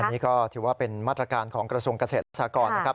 อันนี้ก็ถือว่าเป็นมาตรการของกระทรวงเกษตรศาสตร์ก่อน